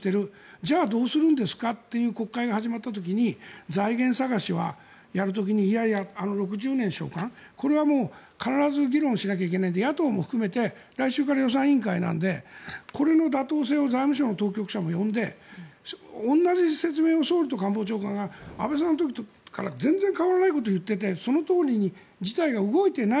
じゃあどうするんですかと国会が始まった時に財源探しはやる時にいやいや、６０年償還あれは必ず議論しなければいけないので野党も含めて来週から予算委員会なのでこれの妥当性を財務省の当局者も呼んで同じ説明を総理と官房長官が安倍さんの時から全然変わらないことを言っていてそのとおりに事態が動いてない